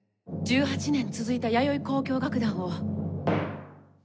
１８年続いた弥生交響楽団を解散致します。